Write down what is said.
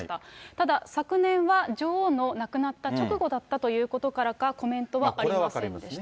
ただ、昨年は女王の亡くなった直後だったということからか、コメントはありませんでした。